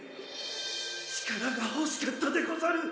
力が欲しかったでござる。